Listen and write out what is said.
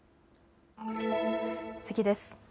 次です。